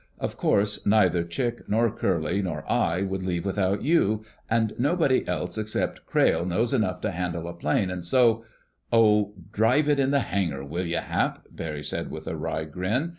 Of course neither Chick nor Curly nor I would leave without you, and nobody else except Crayle knows enough to handle a plane; and so—" "Oh, drive it in the hangar, will you, Hap!" Barry said with a wry grin.